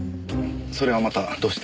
それはまたどうして？